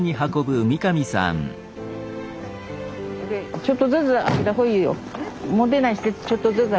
ちょっとずつあけた方がいいよ。